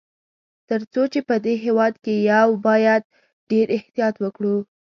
تر څو چي په دې هیواد کي یو، باید ډېر احتیاط وکړو.